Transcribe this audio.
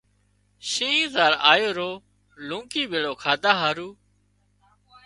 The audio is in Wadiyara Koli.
شينهن زار آيو رو لونڪي ڀيۯو کاڌا هارو